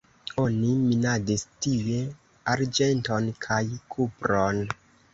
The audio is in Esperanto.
Oni minadis tie arĝenton kaj kupron.